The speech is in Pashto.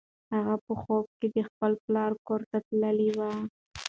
هغه په خوب کې د خپل پلار کور ته تللې وه.